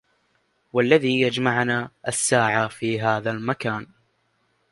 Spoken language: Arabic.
والذي يجمعنا, الساعة في هذا المكان